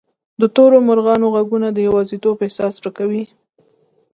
د تورو مرغانو ږغونه د یوازیتوب احساس ورکوي.